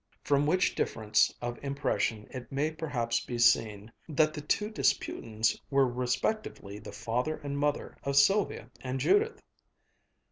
From which difference of impression it may perhaps be seen that the two disputants were respectively the father and mother of Sylvia and Judith.